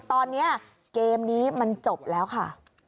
ตอนนี้เกมนี้มันจบแล้วค่ะ